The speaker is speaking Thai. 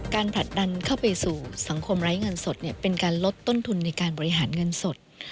ผลักดันเข้าไปสู่สังคมไร้เงินสดเป็นการลดต้นทุนในการบริหารเงินสด